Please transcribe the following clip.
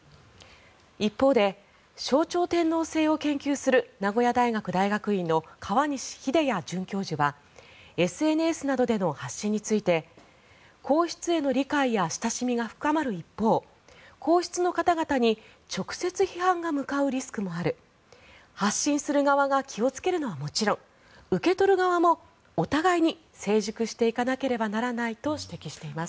一方で、象徴天皇制を研究する名古屋大学大学院の河西秀哉准教授はＳＮＳなどでの発信について皇室への理解や親しみが深まる一方皇室の方々に直接批判が向かうリスクもある発信する側が気をつけるのはもちろん受け取る側もお互いに成熟していかなければならないと指摘しています。